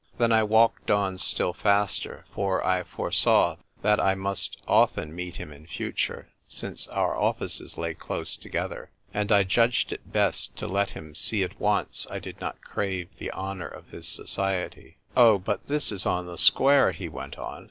Then I walked on still faster, for I foresaw that I must often meet him in future, since our offices lay close together ; and I judged it best to let him see at once I did not crave the honour of his society. '* Oh, but this is on the square," he went on.